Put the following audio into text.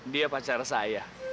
dia pacar saya